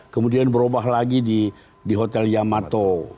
kemudian berubah lagi di hotel yamato